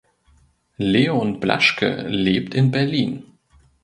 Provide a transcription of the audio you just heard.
Leon Blaschke lebt in Berlin.